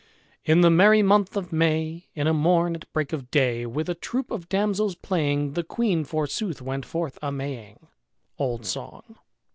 "In the merry month of May, In a morn at break of day, With a troop of damsels playing, The Queen, forsooth, went forth a maying." Old Song.